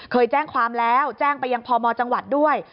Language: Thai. เคยแจ้งความแล้วแจ้งไปยังพมจังหวัดด้วย